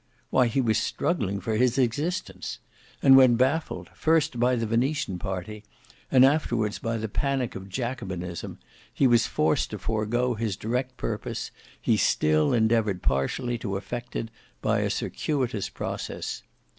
Why, he was struggling for his existence! And when baffled, first by the Venetian party, and afterwards by the panic of Jacobinism, he was forced to forego his direct purpose, he still endeavoured partially to effect it by a circuitous process.